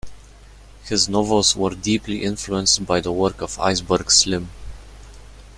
His novels were deeply influenced by the work of Iceberg Slim.